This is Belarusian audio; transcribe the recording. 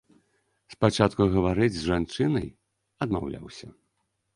Спачатку гаварыць з жанчынай адмаўляўся.